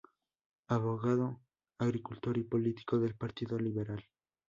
Abogado, agricultor y político del Partido Liberal.